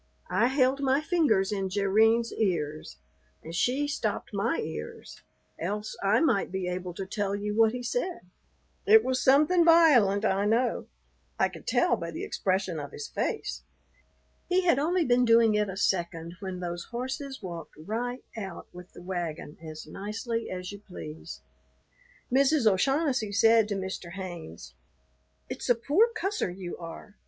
I held my fingers in Jerrine's ears, and she stopped my ears, else I might be able to tell you what he said. It was something violent, I know. I could tell by the expression of his face. He had only been doing it a second when those horses walked right out with the wagon as nicely as you please. Mrs. O'Shaughnessy said to Mr. Haynes, "It's a poor cusser you are.